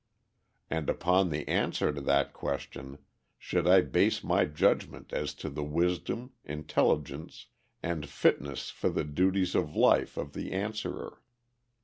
And upon the answer to that question should I base my judgment as to the wisdom, intelligence, and fitness for the duties of life of the answerer.